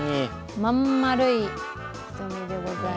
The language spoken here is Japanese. まん丸い瞳でございます。